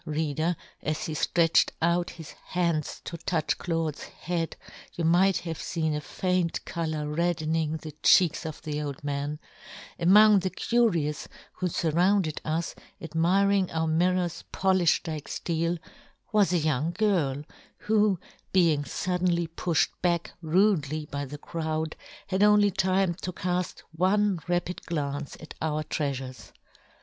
Reader, as he ftretched out his hands to touch Claude's head, you John Gutenberg. 129 might have feen a faint colour red dening the cheeks of the old man,) —" among the curious who furrounded " us, admiring our mirrors polifhed " like fleel, was a young girl, who, " being fuddenly pulhed back rudely " by the crowd, had only time to " caft one rapid glance at our trea " fures.